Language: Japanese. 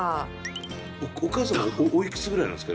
お母様はおいくつぐらいなんですか？